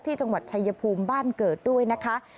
ที่จังหวัดชายภูมิบ้านเกิดด้วยนะคะ